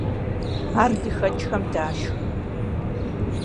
Ар лыхэкӏхэм дашх.